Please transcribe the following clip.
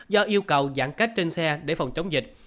do yêu cầu giãn cách trên xe để phòng chống dịch